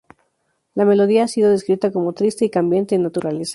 La melodía ha sido descrita como "triste" y "cambiante" en naturaleza.